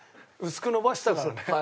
薄く延ばしてたからね。